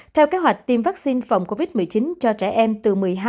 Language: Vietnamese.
theo kế hoạch tiêm vaccine phòng covid một mươi chín cho trẻ em từ một mươi hai